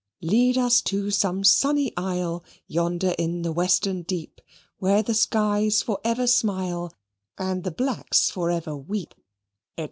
Lead us to some sunny isle, Yonder in the western deep; Where the skies for ever smile, And the blacks for ever weep, &c.